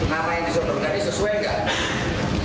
kenapa yang disuruh berkandingan sesuai enggak